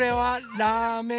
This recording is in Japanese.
ラーメン？